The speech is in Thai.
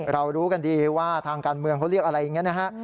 รู้กันดีว่าทางการเมืองเขาเรียกอะไรอย่างนี้นะฮะ